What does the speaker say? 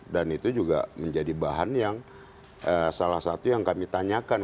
dan itu juga menjadi bahan yang salah satu yang kami tanyakan